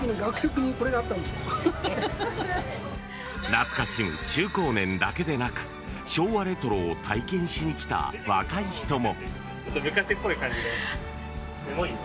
懐かしむ中高年だけでなく昭和レトロを体験しに来た若い人も。